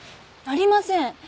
ありません。